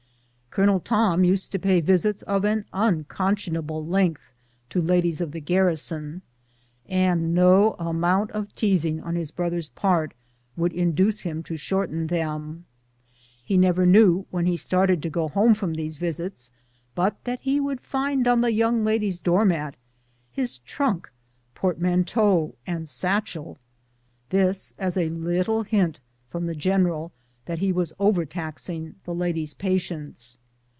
Colonel Tom used to pay visits of an unconscionable lengtli to ladies of the garrison, and no amount of teasing on his broth er's part would induce him to shorten them. lie never knew, when he started to go home from these visits, but that he would find on the young lady's door mat his trunk, portmanteau, and satchel — this as a little hint from the general that he was overtaxing the lady's pa tience.